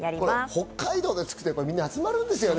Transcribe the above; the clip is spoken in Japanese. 北海道ってつくとみんな集まるんですよね。